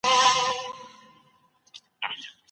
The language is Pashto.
ولي د واده پر مهال ميرمني ته مهر ورکول کيږي؟